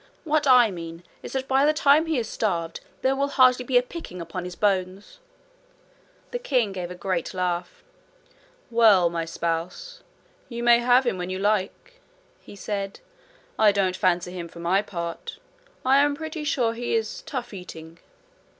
'What I mean is that by the time he is starved there will hardly be a picking upon his bones.' The king gave a great laugh. 'Well, my spouse, you may have him when you like,' he said. 'I don't fancy him for my part. I am pretty sure he is tough eating.'